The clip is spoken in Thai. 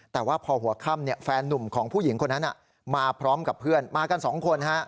แต่ว่าพอหัวค่ำแฟนนุ่มของผู้หญิงคนนั้นมาพร้อมกับเพื่อนมากัน๒คน